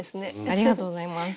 ありがとうございます。